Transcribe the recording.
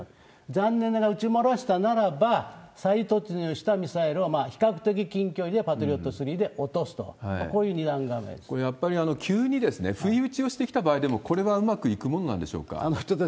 残念ながら撃ち漏らしたならば、再突入したミサイルは比較的近距離でパトリオット３で落とすと、これ、やっぱり急に不意打ちをしてきた場合でも、これはうまくいくものなんでしょうか？